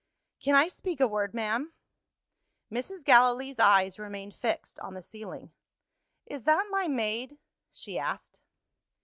"Can I speak a word, ma'am?" Mrs. Gallilee's eyes remained fixed on the ceiling. "Is that my maid?" she asked.